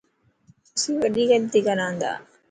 اسين وڏي ري غلط ڪرنا تا.